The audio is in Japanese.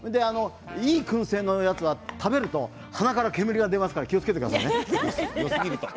いいくん製のやつは食べると鼻から煙が出ますから気をつけてくださいね。